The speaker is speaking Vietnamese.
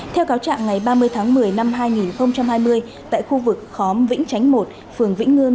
theo cáo trạng ngày ba mươi tháng một mươi năm hai nghìn hai mươi tại khu vực khóm vĩnh chánh một phường vĩnh ngươn